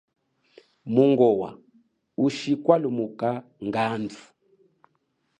Mungowa ushikwalumuka ngandu.